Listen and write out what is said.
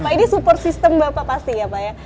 pak ini support system bapak pasti ya pak ya